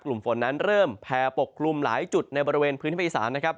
กลุ่มฝนนั้นเริ่มแพร่ปกคลุมหลายจุดในบริเวณพื้นที่ภาคอีสานนะครับ